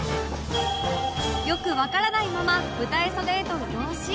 よくわからないまま舞台袖へと移動し